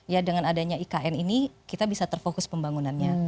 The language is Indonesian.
ya dengan adanya ikn ini kita bisa terfokus pembangunannya